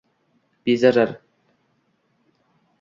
bezarar